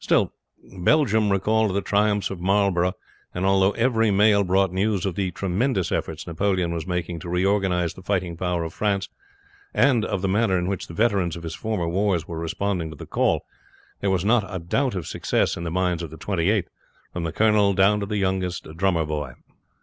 Still Belgium recalled the triumphs of Marlborough, and although every mail brought news of the tremendous efforts Napoleon was making to reorganize the fighting power of France, and of the manner in which the veterans of his former wars had responded to the call, there was not a doubt of success in the minds of the Twenty eighth, from the colonel down to the youngest drummer boy.